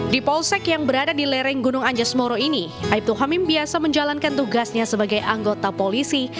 di polsek yang berada di lereng gunung anjas moro ini aibtu hamim biasa menjalankan tugasnya sebagai anggota polisi